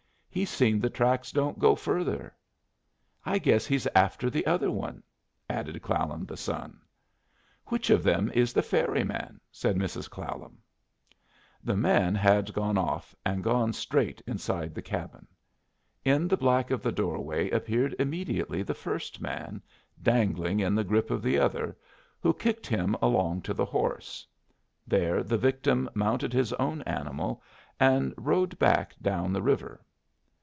"He's seen the tracks don't go further." "I guess he's after the other one," added Clallam the son. "Which of them is the ferry man?" said Mrs. Clallam. The man had got off and gone straight inside the cabin. In the black of the doorway appeared immediately the first man, dangling in the grip of the other, who kicked him along to the horse. There the victim mounted his own animal and rode back down the river.